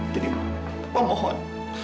jadi papa mohon